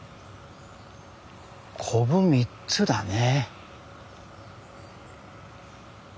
こぶ３つだね。